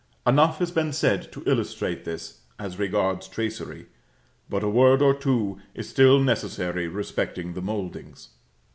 Enough has been said to illustrate this, as regards tracery; but a word or two is still necessary respecting the mouldings.